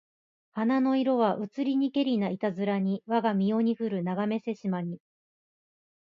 花の色はうつりにけりないたづらにわが身世にふるながめせしまに